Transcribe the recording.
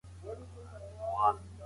دا تخصصي څانګه اوس ډېره پېژندل سوې ده.